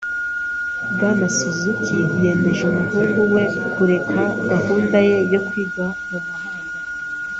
Bwana Suzuki yemeje umuhungu we kureka gahunda ye yo kwiga mu mahanga.